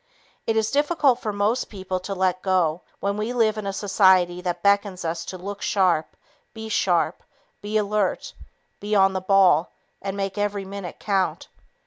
It is difficult for most people to let go when we live in a society that beckons us to "look sharp," "be sharp," "be alert," "be on the ball" and "make every minute count."